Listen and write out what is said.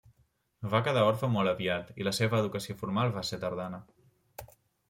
Va quedar orfe molt aviat i la seva educació formal va ser tardana.